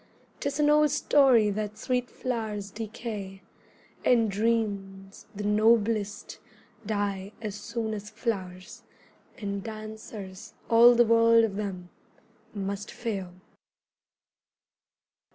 'Tis an old story that sweet flowers decay, And dreams, the noblest, die as soon as flowers, And dancers, all the world of them, must fail.